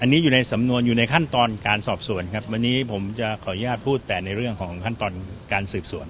อันนี้อยู่ในสำนวนอยู่ในขั้นตอนการสอบสวนครับวันนี้ผมจะขออนุญาตพูดแต่ในเรื่องของขั้นตอนการสืบสวน